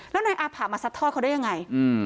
แล้วนายอาผ่ามาซัดทอดเขาได้ยังไง